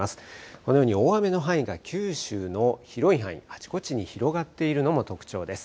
このように大雨の範囲が九州の広い範囲あちこちに広がっているのも特徴です。